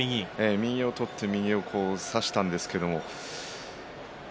右を取って右を差したんですが。